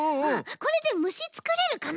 これでむしつくれるかな？